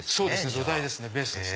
土台ですねベースです